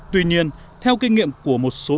tuy nhiên theo kinh nghiệm của một số